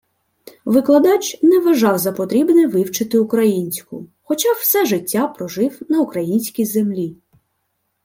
Викладач не вважав за потрібне вивчити українську, хоча все життя прожив на українській землі